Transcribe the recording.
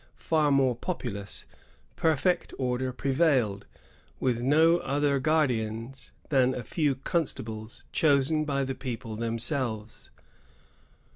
199 far more populous, perfect order prevailed, with no other guardians than a few constables chosen by the people themselves.